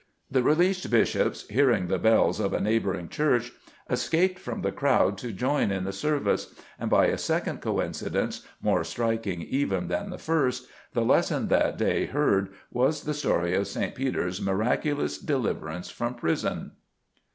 "The released Bishops, hearing the bells of a neighbouring church, escaped from the crowd to join in the service, and, by a second coincidence, more striking even than the first, the Lesson that they heard was the story of St. Peter's miraculous deliverance from prison."